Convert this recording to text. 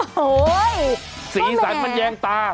โอ้โฮก็แม่สีสันมันแย้งตา